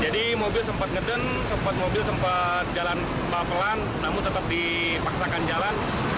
jadi mobil sempat ngeden sempat jalan pelan pelan namun tetap dipaksakan jalan